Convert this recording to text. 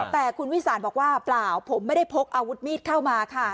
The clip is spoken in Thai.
แต่คุณวิสานบอกว่าเปล่าผมไม่ได้พกอาวุธมีดเข้ามาค่ะ